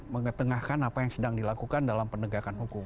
mengetengahkan apa yang sedang dilakukan dalam penegakan hukum